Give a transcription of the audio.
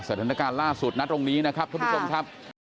สถานการณ์ล่าสุดนะตรงนี้นะครับทุกคนค่ะค่ะ